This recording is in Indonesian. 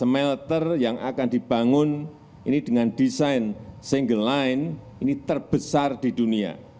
smelter yang akan dibangun ini dengan desain single line ini terbesar di dunia